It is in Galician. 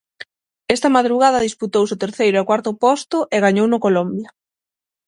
Esta madrugada disputouse o terceiro e cuarto posto e gañouno Colombia.